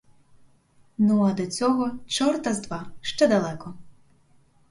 Ну, а до цього, чорта з два, ще далеко!